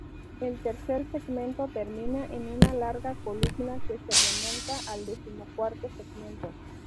El tercer segmento termina en una larga columna que se remonta al decimocuarto segmento.